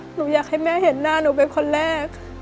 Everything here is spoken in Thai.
หนูอยากให้แม่เห็นหน้าหนูเป็นคนแรก